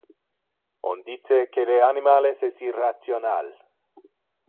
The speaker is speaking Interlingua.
On dice que le animales es irrational.